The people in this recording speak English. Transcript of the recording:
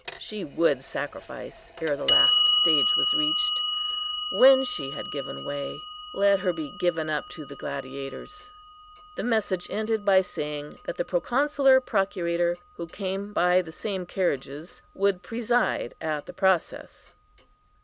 She would sacrifice ere the last stage was reached. When she had given way, let her be given up to the gladiators. The message ended by saying that the Proconsular Procurator, who came by the same carriages, would preside at the process.